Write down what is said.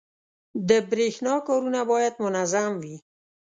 • د برېښنا کارونه باید منظم وي.